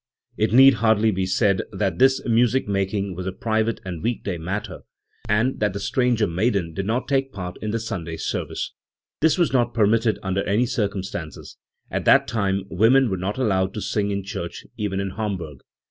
It need hardly be said that this "music making" was a private and week day matter, * Andr6 Pirro, /. S. Bach, p. 38. Miihlhausen (17061707). 103 and that the "stranger maiden" did not take part in the Sunday service. This was not permitted under any cir cumstances ; at that time women were not allowed to sing in church even in Hamburg.